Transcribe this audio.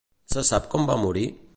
Se sap com va morir?